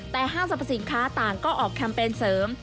แต่๕๐สินค้าต่างก็ออกแคมเปญเสริม